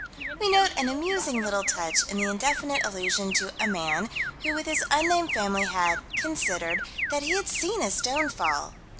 We note an amusing little touch in the indefinite allusion to "a man," who with his un named family, had "considered" that he had seen a stone fall.